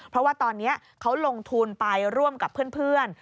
เพราะว่าตอนนี้เขาลงทุนไปร่วมกับเพื่อน